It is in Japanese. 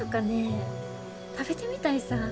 食べてみたいさ。